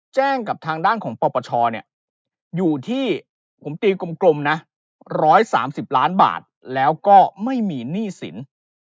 แจ้งกับทางด้านของปปชเนี่ยอยู่ที่ผมตีกลมนะ๑๓๐ล้านบาทแล้วก็ไม่มีหนี้สิน